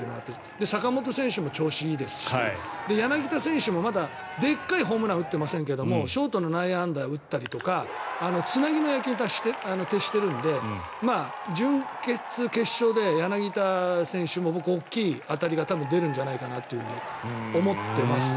坂本選手も調子がいいですし柳田選手もまだでかいホームランを打っていないんですがショートの内野安打を打ったりとかつなぎの野球に徹しているので準決、決勝で柳田選手も僕、大きい当たりが出るんじゃないかと思ってます。